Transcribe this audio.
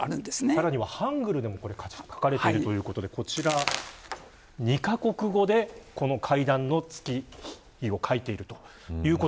さらにはハングルでも書かれているということでこちらに二カ国語でこの会談の月日を書いているということ。